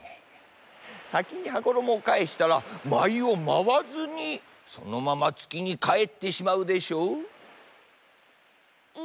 さきに羽衣をかえしたらまいをまわずにそのままつきにかえってしまうでしょう？